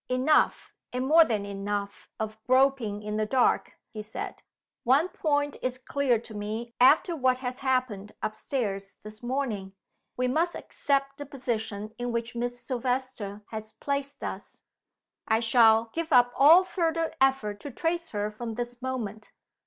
"Enough, and more than enough, of groping in the dark," he said. "One point is clear to me after what has happened up stairs this morning. We must accept the position in which Miss Silvester has placed us. I shall give up all further effort to trace her from this moment."